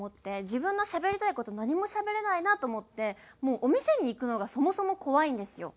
自分のしゃべりたい事何もしゃべれないなと思ってもうお店に行くのがそもそも怖いんですよ。